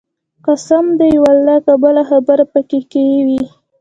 قسم دى ولله که بله خبره پکښې کښې وي.